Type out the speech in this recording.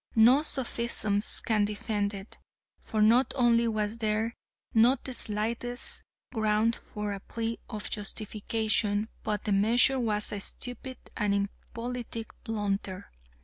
No sophisms can defend it, for not only was there not the slightest ground for a plea of justification, but the measure was a stupid and impolitic blunder.